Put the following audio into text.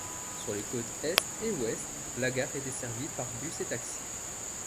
Sur les côtés est et ouest, la gare est desservie par bus et taxi.